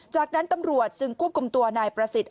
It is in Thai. จากนั้นตำรวจจึงควบคุมตัวนายประสิทธิ